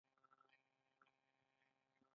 پنځم د پوهنتون استاد کیدل دي.